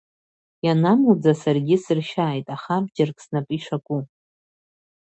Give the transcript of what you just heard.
Ианамуӡа саргьы сыршьааит, аха абџьарк снапы ишаку.